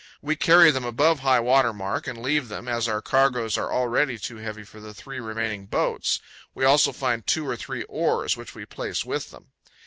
We carry them above high water mark and leave them, as our cargoes are already too heavy for the three remaining boats. We also find two or three oars, which we place with them.